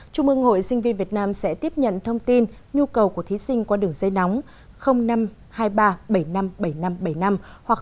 trung ương hội sinh viên việt nam sẽ tiếp nhận thông tin nhu cầu của thí sinh qua đường dây nóng năm trăm hai mươi ba bảy mươi năm bảy mươi năm bảy mươi năm hoặc năm trăm hai mươi ba bảy mươi sáu bảy mươi sáu bảy mươi sáu